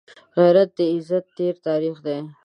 غیرت د عزت تېر تاریخ دی